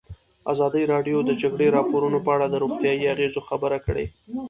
ازادي راډیو د د جګړې راپورونه په اړه د روغتیایي اغېزو خبره کړې.